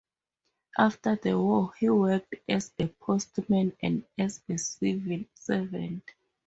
After the war he worked as a postman and as a civil servant.